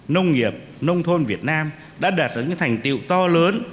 nông nghiệp nông thôn việt nam đã đạt được những thành tiệu to lớn